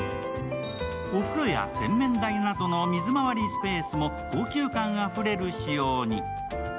お風呂や洗面台などの水まわりスペースも高級感あふれる仕様に。